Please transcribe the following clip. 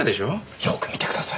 よく見てください。